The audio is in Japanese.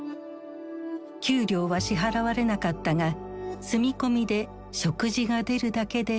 給料は支払われなかったが住み込みで食事が出るだけでありがたかった。